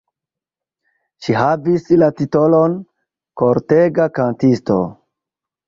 Ŝi havis la titolon "kortega kantisto".